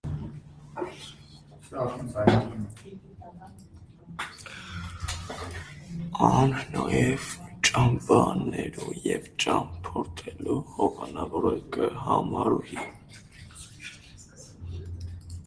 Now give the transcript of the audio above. Ան նաեւ ճամբաներու եւ ճամբորդներու հովանաւորը կը համարուի։